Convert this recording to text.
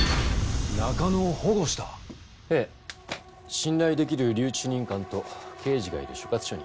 信頼できる留置主任官と刑事がいる所轄署に。